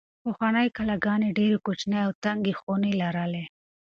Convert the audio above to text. پخوانۍ کلاګانې ډېرې کوچنۍ او تنګې خونې لرلې.